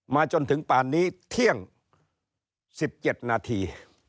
จนถึงป่านนี้เที่ยง๑๗นาที